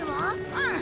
うん。